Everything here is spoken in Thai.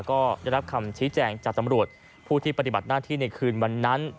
ก็ได้รับคำชี้แจงจากตำรวจผู้ที่ปฏิบัติหน้าที่ในคืนวันนั้น